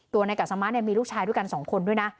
ตัวนายกัสมาสเนี่ยมีลูกชายด้วยกัน๒คนด้วยนะ